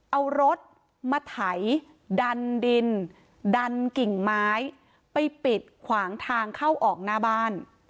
เอารถมาไถดันดินดันกิ่งไม้ไปปิดขวางทางเข้าออกหน้าบ้าน